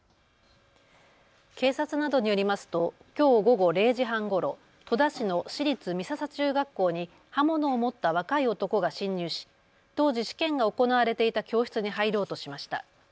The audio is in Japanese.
警察などによりますときょう午後０時半ごろ戸田市の市立美笹中学校に刃物を持った若い男が侵入し当時試験が行われていた教室に入ろうとしました。